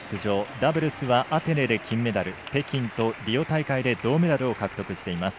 ダブルスはアテネで金メダル北京とリオ大会で銅メダルを獲得しています。